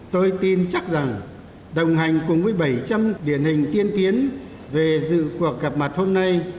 tôi tin chắc rằng đồng hành cùng với bảy trăm linh điển hình tiên tiến về dự cuộc gặp mặt hôm nay